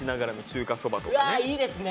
うわいいですね！